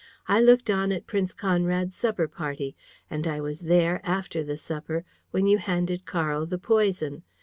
I looked on at Prince Conrad's supper party! And I was there, after the supper, when you handed Karl the poison.